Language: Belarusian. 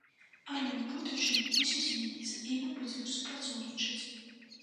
Але ў будучыні ўсё зменіцца і мы будзем супрацоўнічаць.